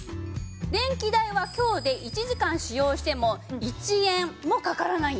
電気代は「強」で１時間使用しても１円もかからないんですよね。